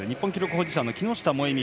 保持者の木下萌実